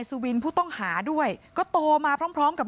พี่น้องของผู้เสียหายแล้วเสร็จแล้วมีการของผู้เสียหาย